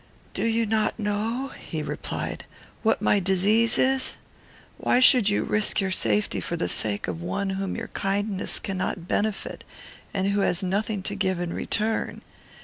"Do you not know," he replied, "what my disease is? Why should you risk your safety for the sake of one whom your kindness cannot benefit, and who has nothing to give in return?"